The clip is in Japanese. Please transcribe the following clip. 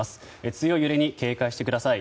強い揺れに警戒してください。